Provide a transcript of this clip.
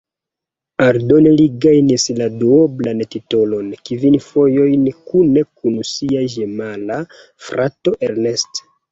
Aldone li gajnis la duoblan titolon kvin fojojn kune kun sia ĝemela frato Ernest.